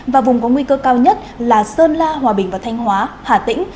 và vùng có nguy cơ cao nhất là sơn la hòa bình và thanh hóa hà tĩnh